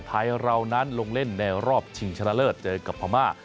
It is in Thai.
ไทยเรานั้นลงเล่นในรอบชิงชนะเลิศเจอกับพม่า